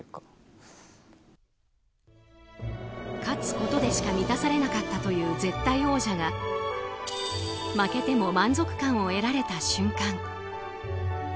勝つことでしか満たされなかったという絶対王者が負けても満足感を得られた瞬間。